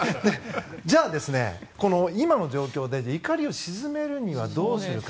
じゃあ、この今の状況で怒りを鎮めるにはどうするか。